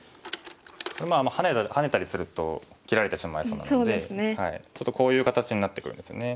まあハネたりすると切られてしまいそうなのでちょっとこういう形になってくるんですね。